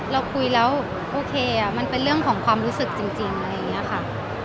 เราคุยแล้วโอเคมันเป็นเรื่องของความรู้สึกจริงอะไรอย่างนี้ค่ะ